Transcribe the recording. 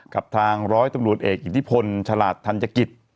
กับทางร้อยตำรวจเอกอิทธิพลฉลาดธัญกิจ